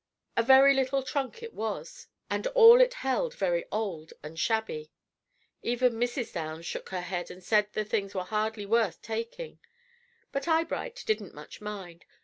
A very little trunk it was, and all it held very old and shabby. Even Mrs. Downs shook her head and said the things were hardly worth taking; but Eyebright didn't much mind.